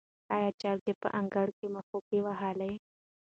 آیا چرګې په انګړ کې مښوکه وهله؟